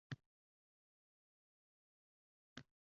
— Gapirsa-gapiraversin!